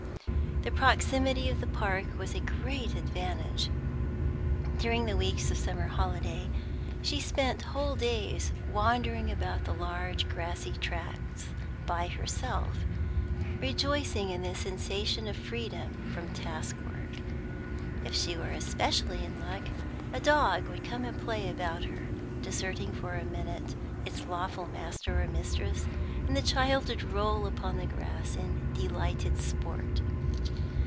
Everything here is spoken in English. The proximity of the park was a great advantage. During the weeks of summer holiday, she spent whole days wandering about the large, grassy tracts by herself, rejoicing in the sensation of freedom from task work. If she were especially in luck, a dog would come and play about her, deserting for a minute its lawful master or mistress, and the child would roll upon the grass in delighted sport.